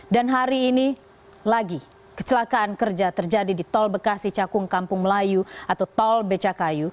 dan hari ini lagi kecelakaan kerja terjadi di tol bekasi cakung kampung melayu atau tol becakayu